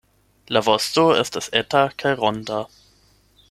La vosto estas eta kaj ronda.